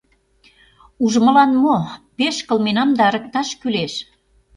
— Ужмылан мо, пеш кылменам да, ырыкташ кӱлеш...